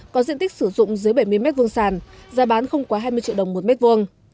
có diện tích sử dụng dưới bảy mươi mét vuông sàn giá bán không quá hai mươi triệu đồng một mét vuông